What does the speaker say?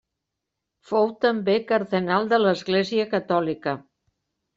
Fou també cardenal de l'Església Catòlica.